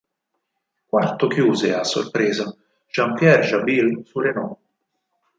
Quarto chiuse, a sorpresa, Jean-Pierre Jabouille su Renault.